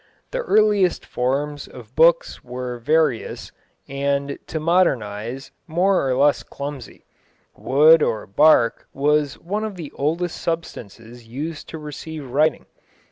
= The early forms of books were various, and, to modern eyes, more or less clumsy. Wood or bark was one of the oldest substances used to receive writing.